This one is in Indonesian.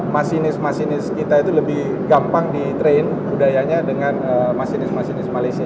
masinis masinis kita itu lebih gampang di train budayanya dengan masinis masinis malaysia